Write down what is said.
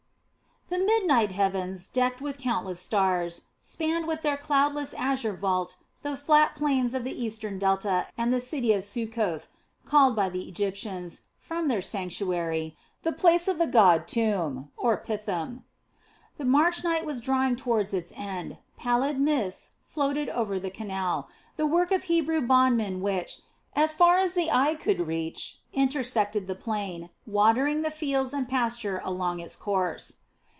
The midnight heavens, decked with countless stars, spanned with their cloudless azure vault the flat plains of the eastern Delta and the city of Succoth, called by the Egyptians, from their sanctuary, the place of the god Tum, or Pithom. The March night was drawing toward its end, pallid mists floated over the canal, the work of Hebrew bondmen which, as far as the eye could reach, intersected the plain, watering the fields and pastures along its course.